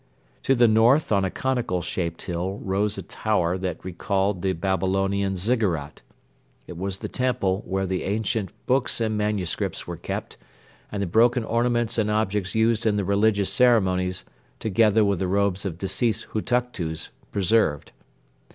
To the north on a conical shaped hill rose a tower that recalled the Babylonian zikkurat. It was the temple where the ancient books and manuscripts were kept and the broken ornaments and objects used in the religious ceremonies together with the robes of deceased Hutuktus preserved.